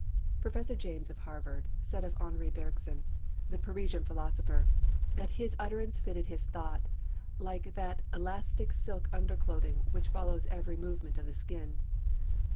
Professor James, of Harvard, said of Henri Bergson, the Parisian philosopher, that his utterance fitted his thought like that elastic silk underclothing which follows every movement of the skin.